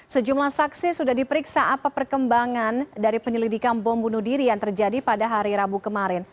sejumlah saksi sudah diperiksa apa perkembangan dari penyelidikan bom bunuh diri yang terjadi pada hari rabu kemarin